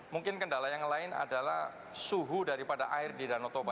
mungkin kendala yang lain adalah suhu daripada air di danau toba